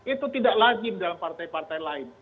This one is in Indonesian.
itu tidak lazim dalam partai partai lain